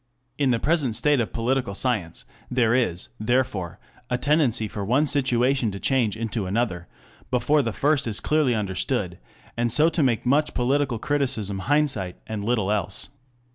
In the present state of political science there is, therefore, a tendency for one situation to change into another, before the first is clearly understood, and so to make much political criticism hindsight and little else.